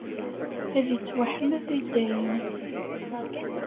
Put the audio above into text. Ad ittwaḥmed i dayem.